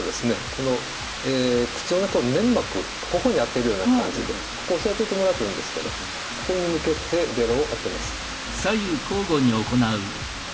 この口の中の粘膜頬に当てるような感じでここ押さえといてもらうといいんですけどここに向けてベロを当てます。